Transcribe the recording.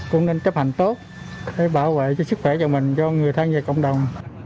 cũng nên chấp hành tốt để bảo vệ cho sức khỏe cho mình cho người thân và cộng đồng